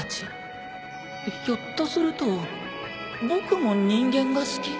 ひょっとすると僕も人間が好き？